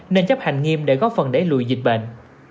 nên chấp hành nghiêm để góp phần đẩy lùi dịch bệnh